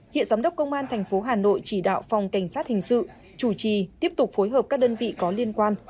hiện giám đốc công an tp hà nội chỉ đạo phòng cảnh sát hình sự chủ trì tiếp tục phối hợp các đơn vị có liên quan